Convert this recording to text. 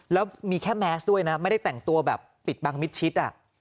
แล้วมีแค่แมสด้วยนะไม่ได้แต่งตัวแบบปิดบังมิดชิด